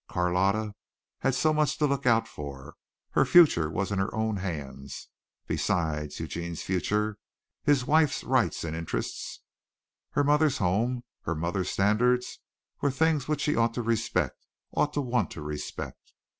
Carlotta had so much to look out for. Her future was in her own hands. Besides, Eugene's future, his wife's rights and interests, her mother's home, her mother's standards, were things which she ought to respect ought to want to respect.